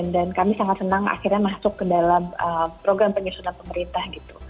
dan kami sangat senang akhirnya masuk ke dalam program penyusunan pemerintah